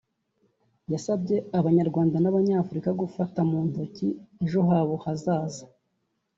yasabye Abanyarwanda n’Abanyafurika gufata mu ntoki ejo habo hazaza